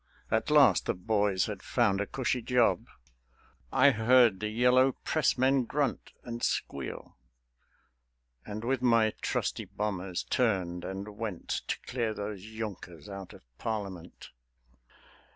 At last the boys had found a cushy job. I heard the Yellow Pressmen grunt and squeal; And with my trusty bombers turned and went To clear those Junkers out of Parliament.